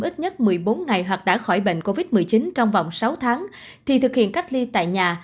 ít nhất một mươi bốn ngày hoặc đã khỏi bệnh covid một mươi chín trong vòng sáu tháng thì thực hiện cách ly tại nhà